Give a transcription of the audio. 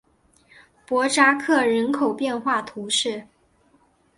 博扎克人口变化图示